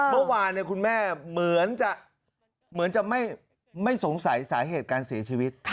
เมื่อวานคุณแม่เหมือนจะไม่สงสัยสายเหตุการณ์เสียชีวิต